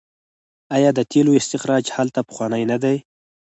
آیا د تیلو استخراج هلته پخوانی نه دی؟